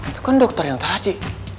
itu kan dokter yang tadi